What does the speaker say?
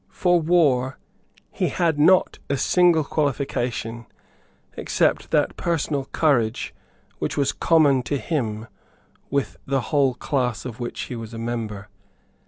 For war he had not a single qualification except that personal courage which was common to him with the whole class of which he was a member.